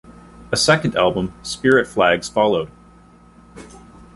A second album, "Spirit Flags", followed.